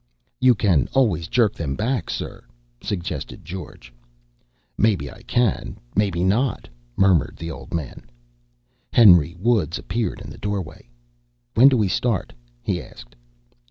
"You can always jerk them back, sir," suggested George. "Maybe I can, maybe not," murmured the old man. Henry Woods appeared in the doorway. "When do we start?" he asked.